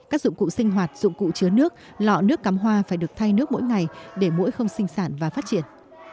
các dụng cụ sinh hoạt dụng cụ chứa nước lọ nước cắm hoa phải được thay nước mỗi ngày để mũi không sinh sản và phát triển